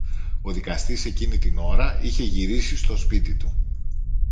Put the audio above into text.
Ο δικαστής εκείνη την ώρα είχε γυρίσει στο σπίτι του